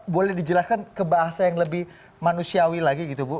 boleh dijelaskan ke bahasa yang lebih manusiawi lagi gitu bu